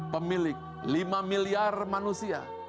pemilik lima miliar manusia